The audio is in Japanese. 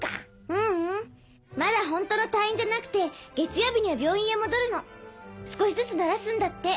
ううんまだ本当の退院じゃなくて月曜日には病院へ戻るの少しずつならすんだって。